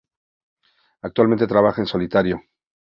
Actualmente trabaja en solitario.